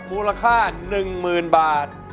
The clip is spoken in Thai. มูลค่า๑หมื่นบาท